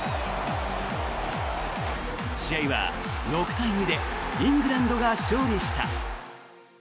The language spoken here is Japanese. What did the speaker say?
試合は６対２でイングランドが勝利した。